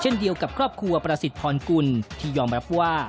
เดียวกับครอบครัวประสิทธิพรกุลที่ยอมรับว่า